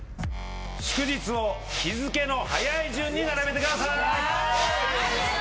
祝日を日付の早い順に並べてください。